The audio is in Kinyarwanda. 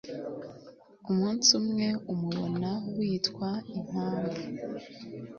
umunsi umwe, umubona witwa imhamvu